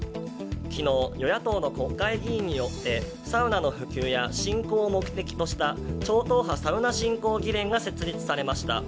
昨日、与野党の国会議員によってサウナの普及や振興を目的とした超党派サウナ振興議連が設立されました。